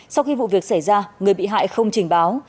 sau khi vụ việc xảy ra người bị hại không trình báo